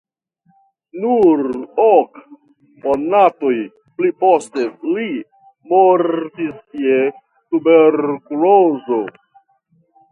Nur ok monatojn pli poste li mortis je tuberkulozo.